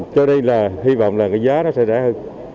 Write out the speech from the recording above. cho đây là hy vọng là cái giá đó sẽ rẻ hơn